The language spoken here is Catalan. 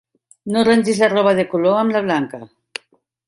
No rentis la roba de color amb la blanca.